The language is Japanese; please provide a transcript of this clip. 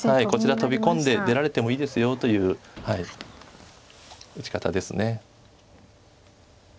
こちら飛び込んで出られてもいいですよという打ち方です。